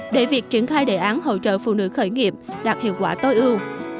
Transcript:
để việc triển khai đề án hỗ trợ phụ nữ khởi nghiệp đạt hiệu quả tối ưu